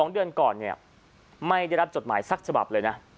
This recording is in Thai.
๒เดือนก่อนเนี่ยไม่ได้รับจดหมายสักฉบับเลยนะ